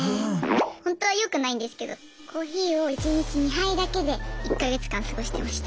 ほんとはよくないんですけどコーヒーを１日２杯だけで１か月間過ごしてました。